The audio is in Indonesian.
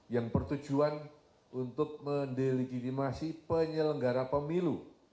yang bertujuan untuk mendelegitimasi penyelenggara pemilu